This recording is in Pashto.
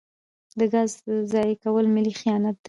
د ګازو ضایع کول ملي خیانت دی.